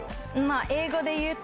英語で言うと。